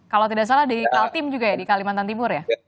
kalau tidak salah di kaltim juga ya di kalimantan timur ya